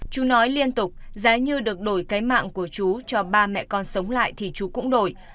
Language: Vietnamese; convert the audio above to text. chú nói liên tục giá như được đổi cái mạng của chú cho ba mẹ con sống lại thì chú cũng đổi